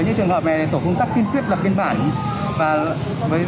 có những trường hợp thì tổ công tác đường xe cũng vất tố tình lao thẳng vào tổ công tác